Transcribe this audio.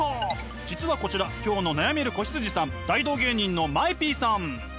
実はこちら今日の悩める子羊さん大道芸人のＭＡＥＰさん。